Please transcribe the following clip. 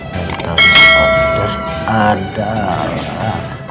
mental disorder adalah